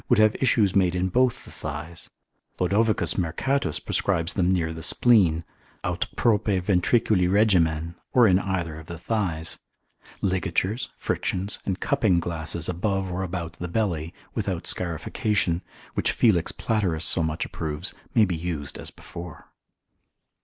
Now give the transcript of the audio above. would have issues made in both the thighs; Lod. Mercatus prescribes them near the spleen, aut prope ventriculi regimen, or in either of the thighs. Ligatures, frictions, and cupping glasses above or about the belly, without scarification, which Felix Platerus so much approves, may be used as before.